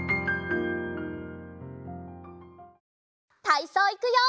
たいそういくよ！